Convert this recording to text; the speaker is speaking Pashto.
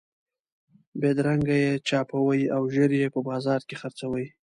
بېدرنګه یې چاپوئ او ژر یې په بازار کې خرڅوئ.